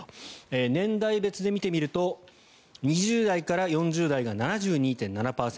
年代別で見てみると２０代から４０代が７２．７％。